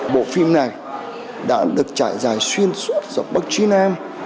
bộ phim này đã được trải dài xuyên suốt dọc bắc nam